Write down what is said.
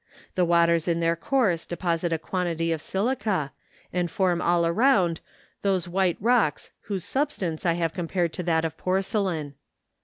The waters in their course deposit a quantity of silica, and form all around those white rocks whose sub¬ stance I have compared to that of porcelain.